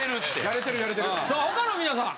さあ他の皆さん